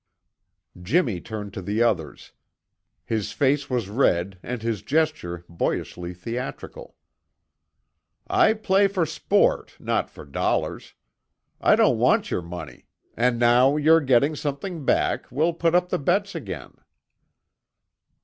Jimmy turned to the others. His face was red and his gesture boyishly theatrical. "I play for sport, not for dollars. I don't want your money, and now you're getting something back, we'll put up the bets again."